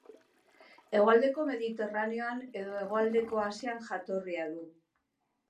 Hegoaldeko Mediterraneoan edo hegoaldeko Asian jatorria du.